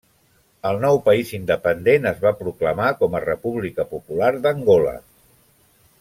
El nou país independent es va proclamar com a República Popular d'Angola.